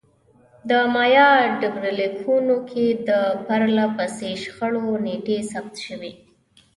د مایا ډبرلیکونو کې د پرله پسې شخړو نېټې ثبت شوې